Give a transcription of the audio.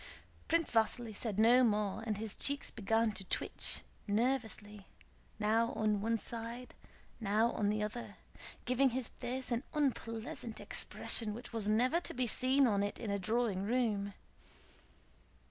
Prince Vasíli said no more and his cheeks began to twitch nervously, now on one side, now on the other, giving his face an unpleasant expression which was never to be seen on it in a drawing room.